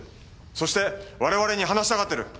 そして我々に話したがってる。